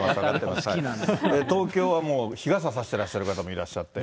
東京はもう、日傘差してらっしゃる方もいらっしゃって。